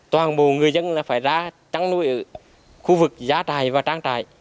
toàn bộ người dân phải ra chăn nuôi khu vực giá trại và trang trại